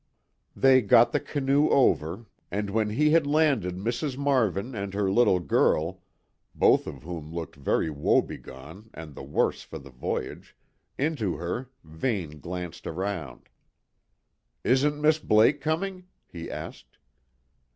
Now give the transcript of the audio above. They got the canoe over, and when he had landed Mrs. Marvin and her little girl, both of whom looked very woebegone and the worse for the voyage, into her, Vane glanced round. "Isn't Miss Blake coming?" he asked.